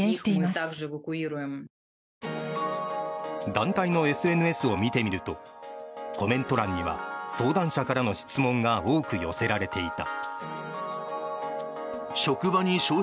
団体のＳＮＳを見てみるとコメント欄には相談者からの質問が多く寄せられていた。